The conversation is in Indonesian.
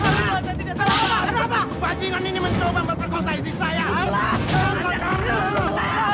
saya tidak salah